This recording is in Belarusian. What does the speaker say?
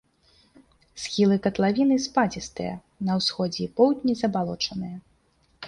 Схілы катлавіны спадзістыя, на ўсходзе і поўдні забалочаныя.